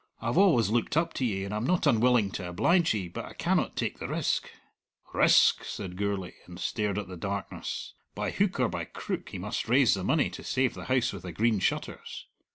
I've always looked up to ye, and I'm not unwilling to oblige ye, but I cannot take the risk." "Risk!" said Gourlay, and stared at the darkness. By hook or by crook he must raise the money to save the House with the Green Shutters.